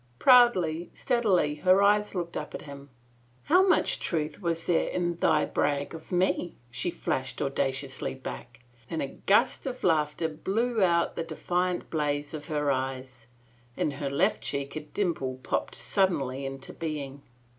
Proudly, steadily, her eyes looked up at him. " How much truth was there in thy brag of me ?" she flashed audaciously back. Then a gust of laughter blew out the defiant blaze of her eyes: in her left cheek a dimple popped suddenly into being.